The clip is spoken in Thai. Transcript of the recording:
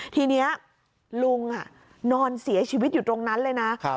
ทีนี้ลุงนอนเสียชีวิตอยู่ตรงนั้นเลยนะ